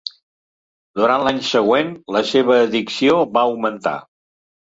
Durant l'any següent, la seva addicció va augmentar.